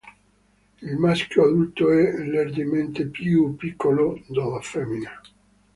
Il maschio adulto è leggermente più piccolo della femmina.